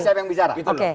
saya yang bicara